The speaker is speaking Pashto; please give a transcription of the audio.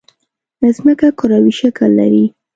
مځکه کروي شکل لري.